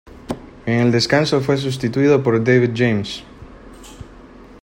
En el descanso fue sustituido por David James.